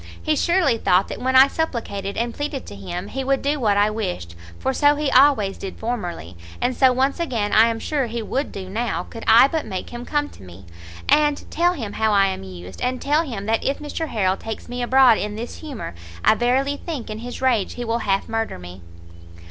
He surely thought that when I supplicated and pleaded to him, he would do what I wished, for so he always did formerly, and so once again I am sure he would do now, could I but make him come to me, and tell him how I am used, and tell him that if Mr Harrel takes me abroad in this humour, I verily think in his rage he will half murder me."